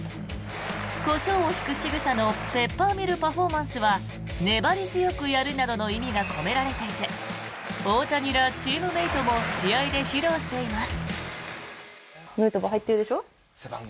コショウをひくしぐさのペッパーミルパフォーマンスは粘り強くやるなどの意味が込められていて大谷らチームメートも試合で披露しています。